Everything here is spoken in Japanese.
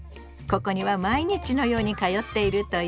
ここには毎日のように通っているという。